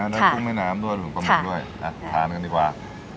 แล้วทุ่มให้น้ำด้วยหรือก็มีด้วยอ่ะทานกันดีกว่า